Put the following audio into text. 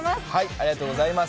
ありがとうございます。